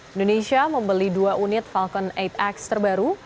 indonesia membeli dua unit falcon delapan x terbaru